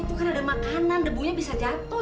itu kan ada makanan debunya bisa jatuh